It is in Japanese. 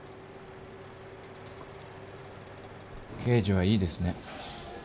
刑事はいいですね。